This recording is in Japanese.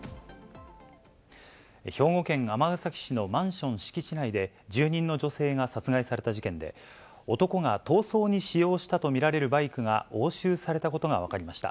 兵庫県尼崎市のマンション敷地内で、住人の女性が殺害された事件で、男が逃走に使用したと見られるバイクが押収されたことが分かりました。